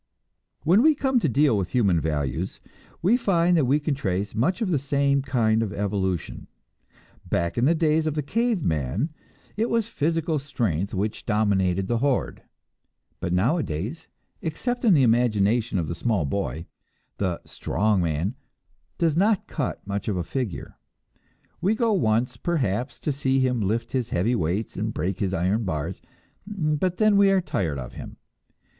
When we come to deal with human values, we find that we can trace much the same kind of evolution. Back in the days of the cave man, it was physical strength which dominated the horde; but nowadays, except in the imagination of the small boy, the "strong man" does not cut much of a figure. We go once, perhaps, to see him lift his heavy weights and break his iron bars, but then we are tired of him.